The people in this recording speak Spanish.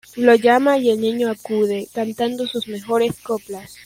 Lo llama y el niño acude, cantando sus mejores coplas.